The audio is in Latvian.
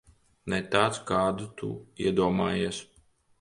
Ne tāds, kādu tu iedomājies.